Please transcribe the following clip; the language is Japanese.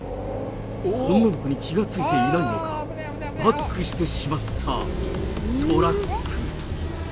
女の子に気が付いていないのか、バックしてしまったトラック。